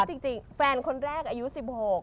มันจริงแฟนคนแรกอายุสิบหก